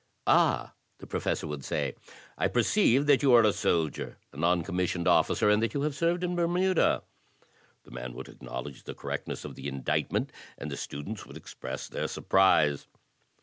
"Ah," the Professor would say, "I perceive that you are a soldier, a non commissioned officer, and that you have served in Bermuda." The man would acknowledge the correctness of the indictment, and the students would express their surprise.